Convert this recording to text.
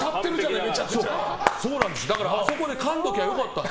だからあそこでかんどきゃよかった。